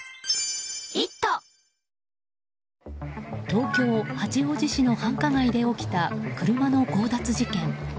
東京・八王子市の繁華街で起きた車の強奪事件。